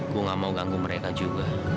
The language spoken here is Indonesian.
gua ga mau ganggu mereka juga